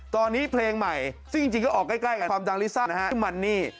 ตอนนี้เพลงใหม่ซึ่งจริงก็ออกใกล้กับความดังลิซ่าที่มันนี่